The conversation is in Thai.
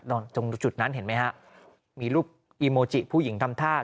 ตรงจุดนั้นเห็นไหมฮะมีรูปอีโมจิผู้หญิงทำท่า